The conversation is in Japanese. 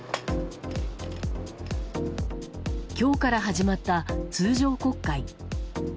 今日から始まった通常国会。